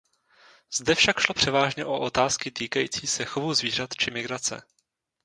Zde však šlo převážně o otázky týkající se chovu zvířat či migrace.